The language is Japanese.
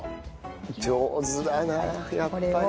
上手だなやっぱり。